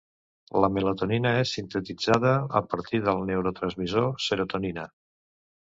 La melatonina és sintetitzada a partir del neurotransmissor serotonina.